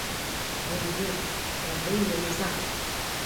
Булды, әбей, риза.